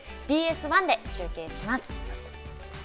ＢＳ１で中継します。